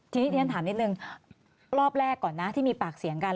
ทีนี้เรียนถามนิดนึงรอบแรกก่อนนะที่มีปากเสียงกัน